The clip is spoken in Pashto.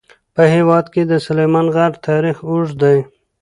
په هېواد کې د سلیمان غر تاریخ اوږد دی.